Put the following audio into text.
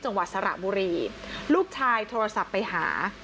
จังหวัดสระบุรีลูกชายโทรศัพท์ไปหา